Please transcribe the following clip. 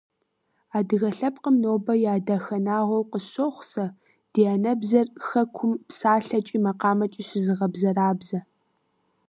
Адыгэ лъэпкъым нобэ я дахэнагъуэу къысщохъу сэ ди анэбзэр хэкум псалъэкӀи макъамэкӀи щызыгъэбзэрабзэ.